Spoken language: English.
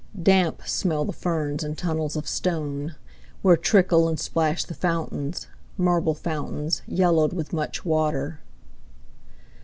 Damp smell the ferns in tunnels of stone, Where trickle and plash the fountains, Marble fountains, yellowed with much water.